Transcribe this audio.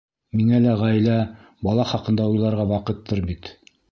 Миңә лә ғаилә, бала хаҡында уйларға ваҡыттыр бит.